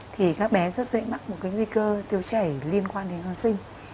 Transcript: thì các bé rất dễ mắc một cái nguy cơ tiêu chảy liên quan đến kháng sinh